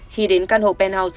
khi đến căn hộ penthouse